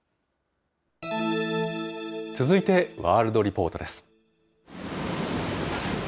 続いてワールドリポートです。